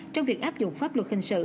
trong việc áp dụng pháp luật hình sự